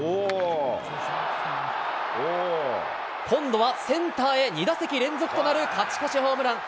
今度はセンターへ２打席連続となる勝ち越しホームラン。